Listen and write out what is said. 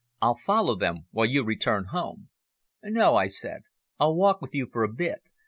"I'll follow them while you return home." "No," I said. "I'll walk with you for a bit.